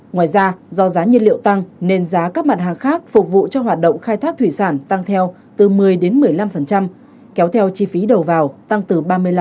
ngoài ra do giá nhiên liệu tăng nên giá các mặt hàng khác phục vụ cho hoạt động khai thác thủy sản tăng theo từ một mươi một mươi năm kéo theo chi phí đầu vào tăng từ ba mươi năm